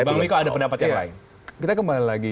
bang miko ada pendapat yang lain kita kembali lagi